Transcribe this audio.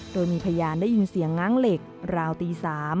โดยมีพยานได้ยินเสียงง้างเหล็กราวตี๓